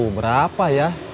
aduh berapa ya